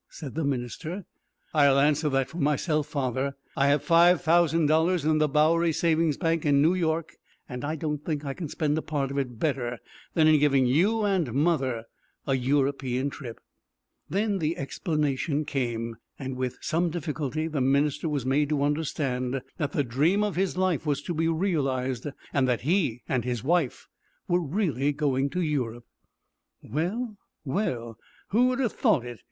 said the minister. "I'll answer that for myself, father. I have five thousand dollars in the Bowery Savings Bank, in New York, and I don't think I can spend a part of it better than in giving you and mother a European trip." Then the explanation came, and with some difficulty the minister was made to understand that the dream of his life was to be realized, and that he and his wife were really going to Europe. "Well, well! who'd have thought it?"